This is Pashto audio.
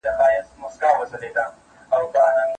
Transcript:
زما په جونګړه کي بلا وکره